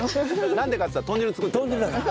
なんでかっていったら豚汁作ってるから。